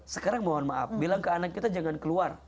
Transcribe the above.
sekarang mohon maaf bilang ke anak kita jangan keluar